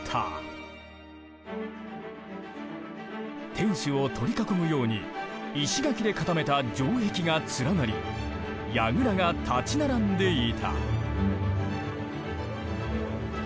天守を取り囲むように石垣で固めた城壁が連なり櫓が立ち並んでいた。